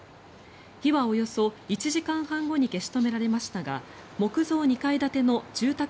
火はおよそ１時間半後に消し止められましたが木造２階建ての住宅